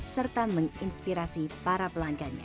serta menginspirasi para pelanggannya